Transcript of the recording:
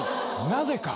なぜか。